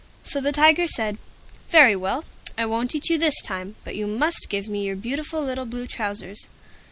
So the Tiger said, "Very well, I won't eat you this time, but you must give me your beautiful little Blue Trousers."